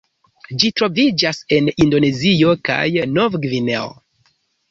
Ĝi troviĝas en Indonezio kaj Novgvineo.